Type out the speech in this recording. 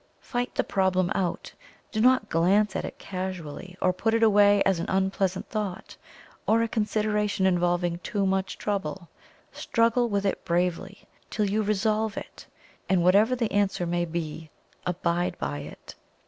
Fight the problem out. Do not glance at it casually, or put it away as an unpleasant thought, or a consideration involving too much trouble struggle with it bravely till you resolve it, and whatever the answer may be, ABIDE BY IT.